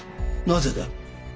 なぜだ？